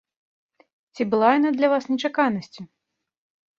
Ці была яна для вас нечаканасцю?